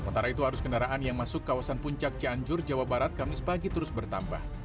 sementara itu arus kendaraan yang masuk kawasan puncak cianjur jawa barat kamis pagi terus bertambah